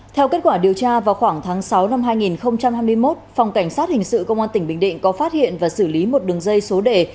theo kết quả điều tra vào khoảng tháng sáu năm hai nghìn hai mươi một phòng cảnh sát hình sự công an tỉnh bình định có phát hiện và xử lý một đường dây số đề